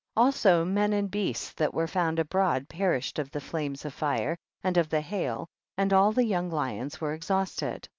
32. Also men and beasts that were found abroad perished of the flames of fire and of the hail, and all the young % lions were exhausted.